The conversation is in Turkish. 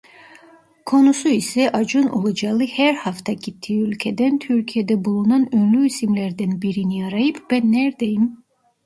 Konusu ise Acun Ilıcalı her hafta gittiği ülkeden Türkiye'de bulunan ünlü isimlerden birini arayıp Ben Nerdeyim?